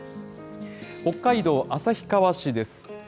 北海道旭川市です。